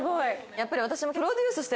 やっぱり私も。